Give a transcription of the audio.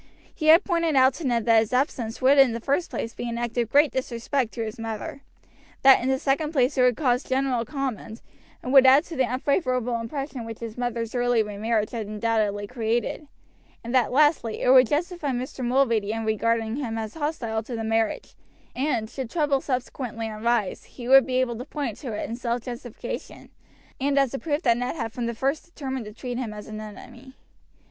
He had pointed out to Ned that his absence would in the first place be an act of great disrespect to his mother; that in the second place it would cause general comment, and would add to the unfavorable impression which his mother's early remarriage had undoubtedly created; and that, lastly, it would justify Mr. Mulready in regarding him as hostile to the marriage, and, should trouble subsequently arise, he would be able to point to it in self justification, and as a proof that Ned had from the first determined to treat him as an enemy.